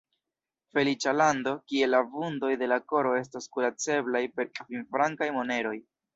Feliĉa lando, kie la vundoj de la koro estas kuraceblaj per kvin-frankaj moneroj!